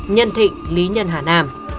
nhân thịnh lý nhân hà nam